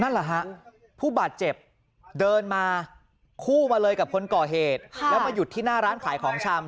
นั่นแหละฮะผู้บาดเจ็บเดินมาคู่มาเลยกับคนก่อเหตุแล้วมาหยุดที่หน้าร้านขายของชำ